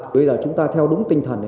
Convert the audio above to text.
bây giờ chúng ta theo đúng tinh thần